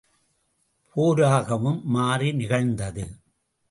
போராகவும் மாறி நிகழ்ந்தது.